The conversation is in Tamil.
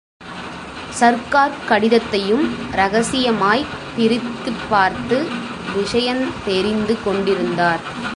சர்க்கார்க் கடிதத்தையும் இரகசியமாய்ப் பிரித்துப் பார்த்து விஷயந் தெரிந்து கொண்டிருந்தார்.